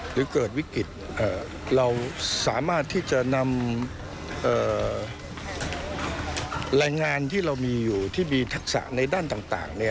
หรือเกิดวิกฤตเราสามารถที่จะนำแรงงานที่เรามีอยู่ที่มีทักษะในด้านต่าง